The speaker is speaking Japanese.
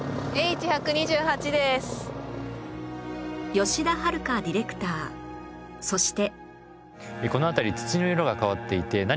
吉田遥ディレクターそして